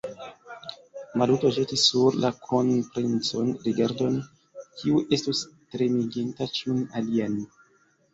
Maluto ĵetis sur la kronprincon rigardon, kiu estus tremiginta ĉiun alian.